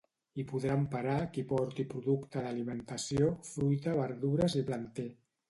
Hi podran parar qui porti producte d’alimentació, fruita, verdures i planter.